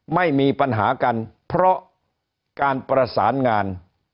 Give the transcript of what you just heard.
ไม่มีปัญหากันเพราะการประสานงาน